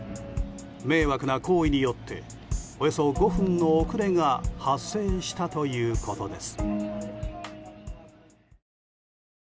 迷惑な行為によっておよそ５分の遅れが発生したということです。